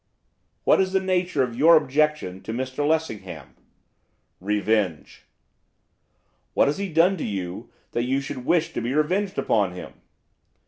'What is the nature of your objection to Mr Lessingham?' 'Revenge.' 'What has he done to you that you should wish to be revenged on him?